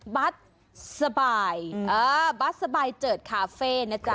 บั๊ตสบายเจิดคาเฟ่